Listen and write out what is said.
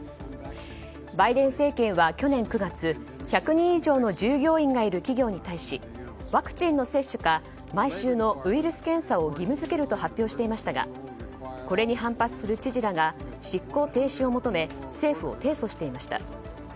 バイデン政権は去年９月１００人以上の従業員がいる企業に対しワクチンの接種か毎週のウイルス検査を義務付けると発表していましたがこれに反発する知事らが執行停止を求め政府を提訴していました。